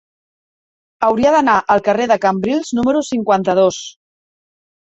Hauria d'anar al carrer de Cambrils número cinquanta-dos.